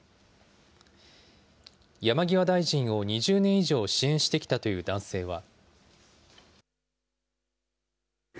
山際大臣を２０年以上支援してきたという男性は。